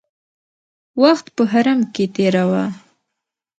وخت په حرم کې تېراوه.